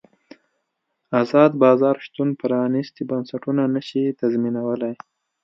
ازاد بازار شتون پرانیستي بنسټونه نه شي تضمینولی.